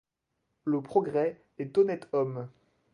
Le progrès est honnête homme.